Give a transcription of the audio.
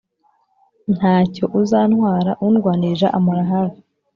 Ntacyo uzantwara undwanirira ampora hafi